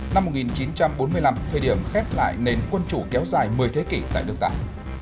năm một nghìn chín trăm bốn mươi năm thời điểm khép lại nền quân chủ kéo dài một mươi thế kỷ tại nước ta